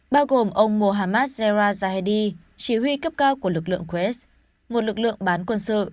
bao gồm ông mohammad zahedi chỉ huy cấp cao của lực lượng quds một lực lượng bán quân sự